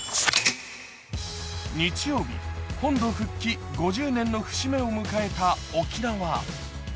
日曜日、本土復帰５０年の節目を迎えた沖縄。